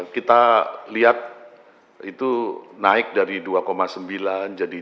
kita lihat itu naik dari dua sembilan jadi tiga